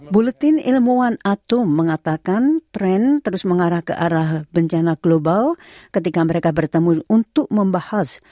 buletin ilmuwan atum mengatakan tren terus mengarah ke arah bencana global ketika mereka bertemu untuk membahas